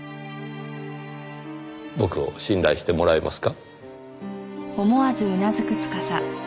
僕を信頼してもらえますか？